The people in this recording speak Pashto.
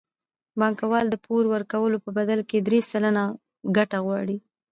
بانکوال د پور ورکولو په بدل کې درې سلنه ګټه غواړي